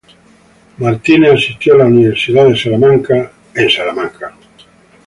Marsh asistió a la Universidad de Illinois en Urbana-Champaign.